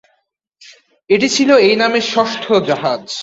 এটি ছিল এই নামের ষষ্ঠ জাহাজ।